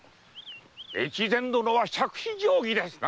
越前殿は杓子定規ですな！